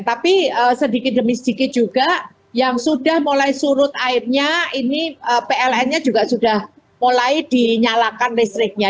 tapi sedikit demi sedikit juga yang sudah mulai surut airnya ini plnnya juga sudah mulai dinyalakan listriknya